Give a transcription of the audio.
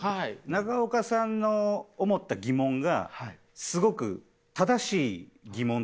中岡さんの思った疑問がすごく正しい疑問というか。